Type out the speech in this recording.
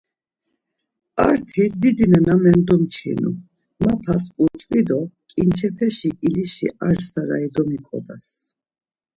Arti didi nena mendumçinu, Mapas utzvi do ǩinçepeşi ilişi ar sarayi domiǩodaz.